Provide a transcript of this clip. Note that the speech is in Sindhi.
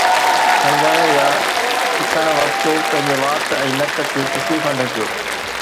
کنگڻ يا ڇڻڻ وقت پنهنجي وات ۽ نڪ کي ٽشو سان ڍڪيو